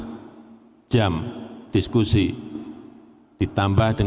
saya bertemu dengan presiden putin selama dua lima tahun